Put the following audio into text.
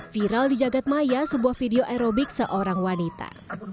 viral di jagadmaya sebuah video aerobik seorang wanita